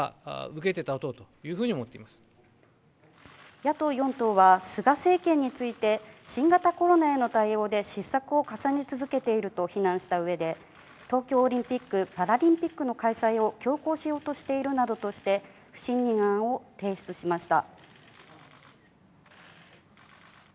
野党４党は菅政権について、新型コロナへの対応で失策を重ね続けていると非難した上で、東京オリンピック・パラリンピックの開催を強行しようとしているなどとして不信任案を提出しました。